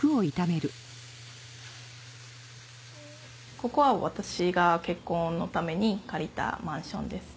ここは私が結婚のために借りたマンションです。